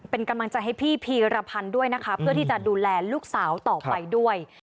เป็นกำลังใจให้พี่พีรพันธ์ด้วยนะคะเพื่อที่จะดูแลลูกสาวต่อไปด้วย